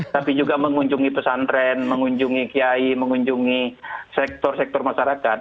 tapi juga mengunjungi pesantren mengunjungi kiai mengunjungi sektor sektor masyarakat